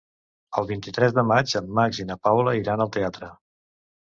El vint-i-tres de maig en Max i na Paula iran al teatre.